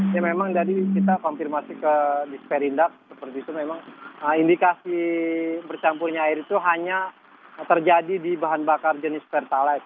ya memang tadi kita konfirmasi ke disperindak seperti itu memang indikasi bercampurnya air itu hanya terjadi di bahan bakar jenis pertalite